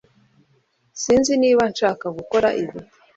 Sinzi niba nshaka gukora ibi